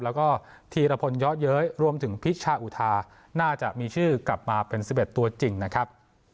แล้วก็ธีรพลยอดเย้ยรวมถึงพิชาอุทาน่าจะมีชื่อกลับมาเป็น๑๑ตัวจริงนะครับ